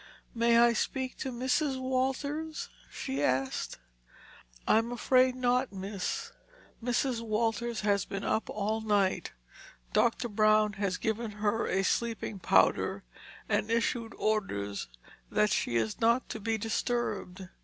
"May I speak to Mrs. Walters?" she asked. "I'm afraid not, miss. Mrs. Walters has been up all night. Doctor Brown has given her a sleeping powder and issued orders that she is not to be disturbed."